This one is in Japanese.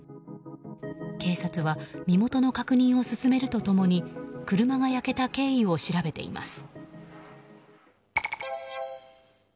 警察は身元の確認を進めると共に車が焼けた経緯を調べています。